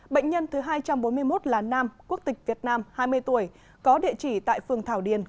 bệnh nhân thứ hai trăm bốn mươi một là nam quốc tịch việt nam hai mươi tuổi có địa chỉ tại phường thảo điền